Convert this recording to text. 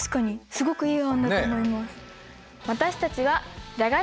すごくいい案だと思います。